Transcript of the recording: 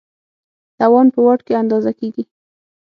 توان په واټ کې اندازه کېږي.